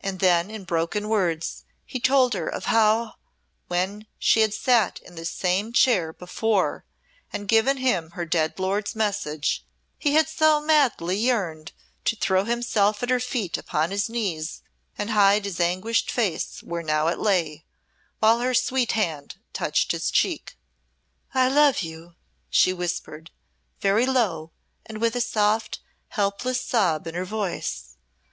And then in broken words he told her of how, when she had sate in this same chair before and given him her dead lord's message, he had so madly yearned to throw himself at her feet upon his knees, and hide his anguished face where now it lay, while her sweet hand touched his cheek. "I love you," she whispered, very low and with a soft, helpless sob in her voice.